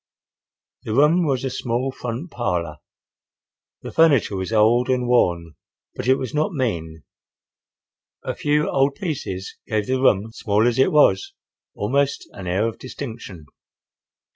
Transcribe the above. The room was a small front parlor. The furniture was old and worn, but it was not mean. A few old pieces gave the room, small as it was, almost an air of distinction.